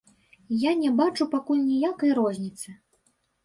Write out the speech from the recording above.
Я не бачу, пакуль ніякай розніцы!